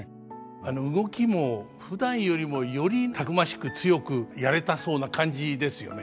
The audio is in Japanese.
あの動きもふだんよりもよりたくましく強くやれたそうな感じですよね。